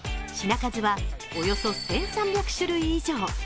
品数は、およそ１３００種類以上。